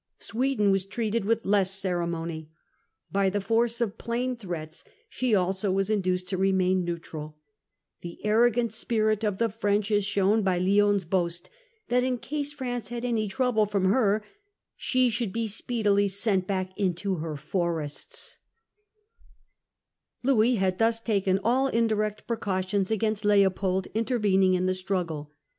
Sweden was treated with less ceremony. By the force of plain threats she also was induced to remain neutral. The arrogant spirit of the French is shown by Lionne's boast Branden burg and Sweden promise neutrality. 1 668. The * Alternatives .* 147 that in case France had any trouble from her she should be speedily ' sent back into her forests.* Louis had thus taken all indirect precautions against Leopold intervening in the struggle.